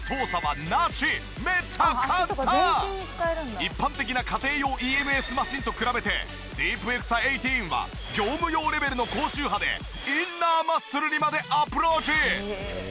一般的な家庭用ＥＭＳマシンと比べてディープエクサ１８は業務用レベルの高周波でインナーマッスルにまでアプローチ！